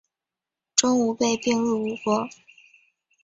钟吾被并入吴国。